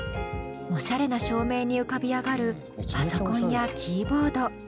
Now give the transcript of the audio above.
おしゃれな照明に浮かび上がるパソコンやキーボード。